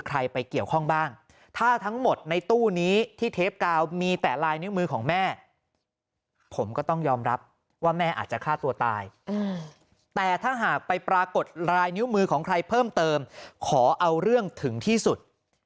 แต่ถ้าหากไปปรากฏลายนิ้วมือของใครเพิ่มเติมขอเอาเรื่องถึงที่สุด